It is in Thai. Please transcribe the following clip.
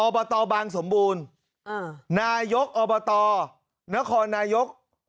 บตบางสมบูรณ์นายกอบตนครนายก